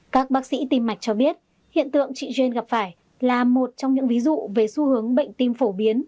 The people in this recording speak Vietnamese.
các bác sĩ tim mạch cho biết hiện tượng chị jane gặp phải là một trong những ví dụ về xu hướng bệnh tim phổ biến